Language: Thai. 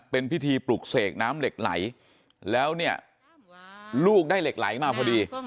เป็นพิธีปลุกเสกน้ำเหล็กไหลแล้วเนี่ยลูกได้เหล็กไหลมาพอดี